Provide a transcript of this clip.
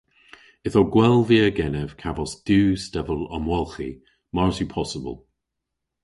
Ytho gwell via genev kavos diw stevel omwolghi mars yw possybyl.